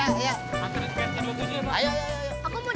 aku mau di depan